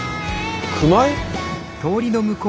熊井？